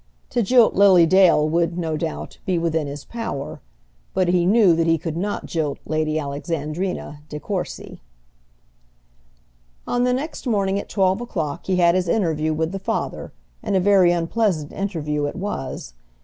To jilt Lily Dale would, no doubt, be within his power, but he knew that he could not jilt Lady Alexandrina De Courcy. On the next morning at twelve o'clock he had his interview with the father, and a very unpleasant interview it was.